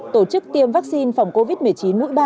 tổ chức tiêm vaccine phòng covid một mươi chín mũi ba